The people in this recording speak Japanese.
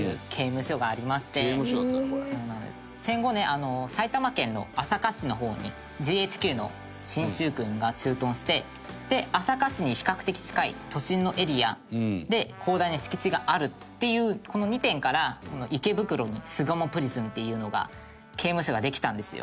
戦後ね埼玉県の朝霞市の方にＧＨＱの進駐軍が駐屯して朝霞市に比較的近い都心のエリアで広大な敷地があるっていうこの２点から池袋に巣鴨プリズンっていうのが刑務所ができたんですよ。